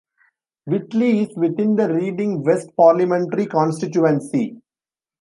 Whitley is within the Reading West parliamentary constituency.